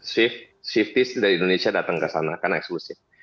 swift swifties dari indonesia datang ke sana karena eksklusif